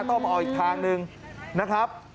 ต้องมาออกอีกทางหนึ่งนะครับ